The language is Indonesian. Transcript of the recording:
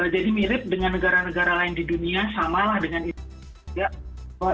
jadi mirip dengan negara negara lain di dunia sama dengan indonesia